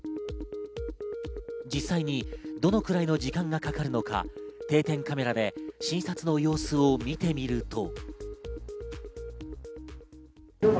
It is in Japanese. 実際にどのくらいの時間がかかるのか、定点カメラで診察の様子を見てみると。